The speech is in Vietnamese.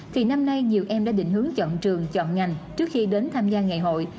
thì năm nay nhiều em đã định hướng chọn trường chọn ngành trước khi đến tham gia ngày hội